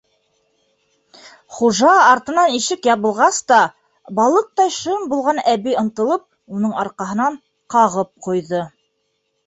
Хужа артынан ишек ябылғас та, балыҡтай шым булған әбей ынтылып, уның арҡаһынан ҡағып ҡуйҙы: